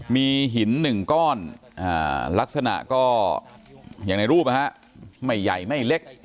มีหิน๑ก้อนลักษณะก็อย่างในรูปไม่ใหญ่ไม่เล็ก